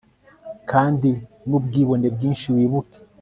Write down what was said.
kandi, n'ubwibone bwinshi wibuke